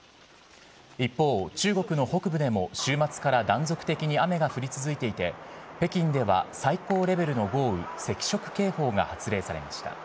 一方、中国の北部でも週末から断続的に雨が降り続いていて、北京では最高レベルの豪雨、赤色警報が発令されました。